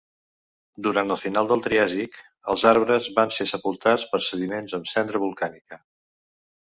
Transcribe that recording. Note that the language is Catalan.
Durant el final del Triàsic els arbres van ser sepultats per sediments amb cendra volcànica.